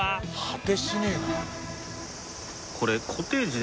「果てしねえな」